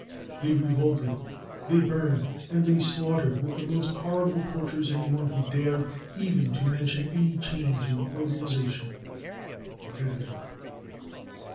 They revolted, they burned, and they slaughtered with the most horrible tortures any one who dared even to mention any change in the organization. The Editor.